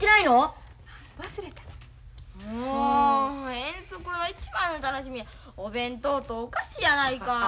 遠足の一番の楽しみはお弁当とお菓子やないか。